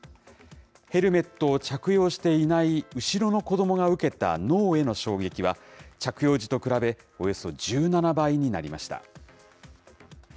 ヘルメットを着用していない後ろの子どもが受けた脳への衝撃は、着用時と比べ、およそ１７倍になりました。